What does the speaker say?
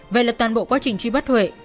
vậy là toàn bộ quá trình truy bắt huệ